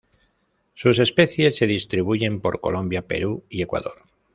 Sus especies se distribuyen por Colombia, Perú y Ecuador.